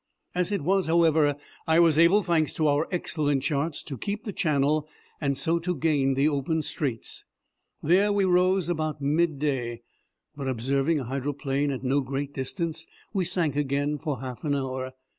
As it was, however, I was able, thanks to our excellent charts, to keep the channel and so to gain the open straits. There we rose about midday, but, observing a hydroplane at no great distance, we sank again for half an hour.